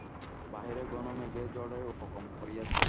বাহিরে ঘন মেঘে ঝড়ের উপক্রম করিয়াছে।